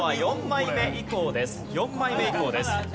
４枚目以降です。